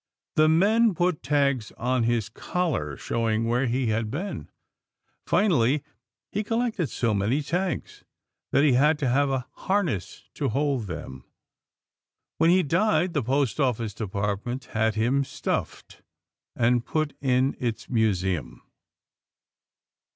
The men put tags on his collar showing where he had been. Finally he collected so many tags that he had to have a harness to hold them. When he died, the Post Office Department had him stuffed and put in its museum.